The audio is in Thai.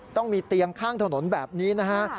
ต้องมีเตียงข้างถนนแบบนี้นะฮะ